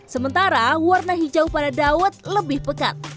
sementara warna hijau pada dawet lebih pekat